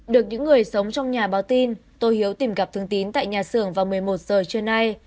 được những người sống trong nhà báo tin tôi hiếu tìm gặp thường tín tại nhà xưởng vào một mươi một giờ trưa nay